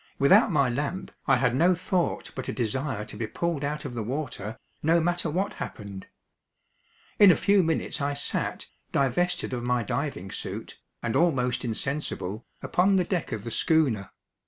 Without my lamp I had no thought but a desire to be pulled out of the water, no matter what happened. In a few minutes I sat, divested of my diving suit, and almost insensible, upon the deck of the schooner.